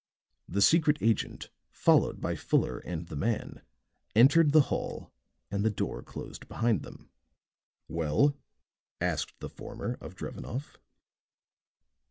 The secret agent, followed by Fuller and the man, entered the hall and the door closed behind them. "Well?" asked the former of Drevenoff.